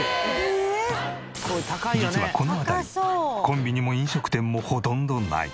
実はこの辺りコンビニも飲食店もほとんどない。